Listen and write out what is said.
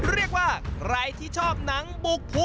เรียกว่าใครที่ชอบหนังบุกภู